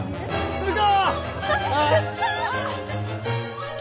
鈴子！